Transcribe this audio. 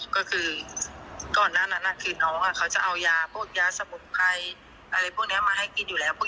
แค่มาให้กินอยู่แล้วพวกยาแก้ไฟล์พวกนี้พวกนี้มาให้กินอยู่แล้วพวก